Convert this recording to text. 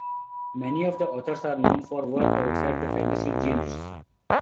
Many of the authors are known for work outside the fantasy genres.